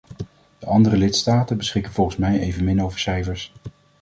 De andere lidstaten beschikken volgens mij evenmin over cijfers.